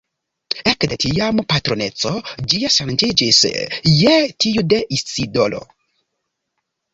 Ekde tiam patroneco ĝia ŝanĝiĝis je tiu de Isidoro.